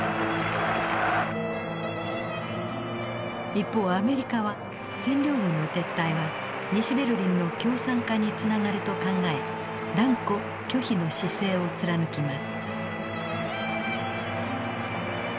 一方アメリカは占領軍の撤退は西ベルリンの共産化につながると考え断固拒否の姿勢を貫きます。